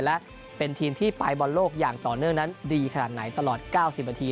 และเป็นทีมที่ไปบอลโลกอย่างต่อเนื่องนั้นดีขนาดไหนตลอด๙๐นาที